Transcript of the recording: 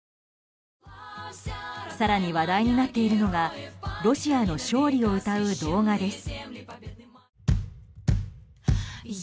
更に話題になっているのがロシアの勝利を歌う動画です。